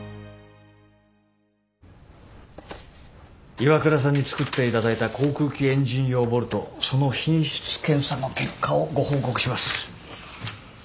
ＩＷＡＫＵＲＡさんに作っていただいた航空機エンジン用ボルトその品質検査の結果をご報告します。